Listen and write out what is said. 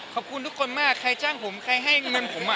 ขอบคุณทุกคนมากใครจ้างผมใครให้เงินผม